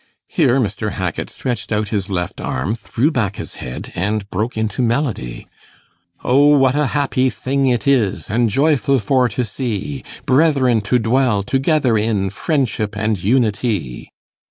Here Mr. Hackit stretched out his left arm, threw back his head, and broke into melody 'O what a happy thing it is, And joyful for to see, Brethren to dwell together in Friendship and unity.